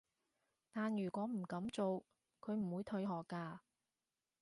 但如果唔噉做，佢唔會退學㗎